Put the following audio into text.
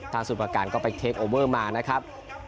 สุดประการก็ไปเทคโอเวอร์มานะครับ